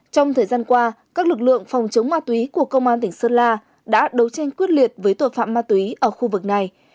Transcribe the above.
trong thời gian qua các lực lượng phòng chống ma túy của công an tỉnh sơn la đã đấu tranh quyết liệt với tội phạm ma túy ở khu vực này